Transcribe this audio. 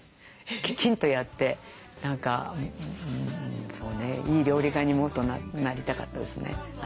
きちんとやって何かそうねいい料理家にもっとなりたかったですね。